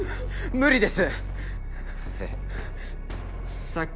無理です！